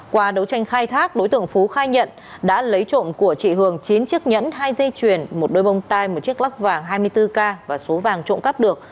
qua đấu tranh khai thác đối tượng phú khai nhận đã lấy trộm của chị hường chín chiếc nhẫn hai dây chuyền một đôi bông tai một chiếc lắc vàng hai mươi bốn k và số vàng trộm cắp được